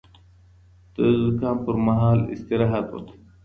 د زکام پر مهال استراحت وکړه